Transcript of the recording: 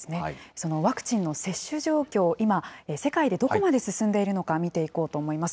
そのワクチンの接種状況、今、世界でどこまで進んでいるのか、見ていこうと思います。